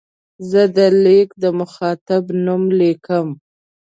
زه د لیک د مخاطب نوم لیکم.